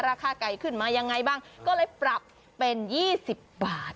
ราคาไก่ขึ้นมายังไงบ้างก็เลยปรับเป็น๒๐บาท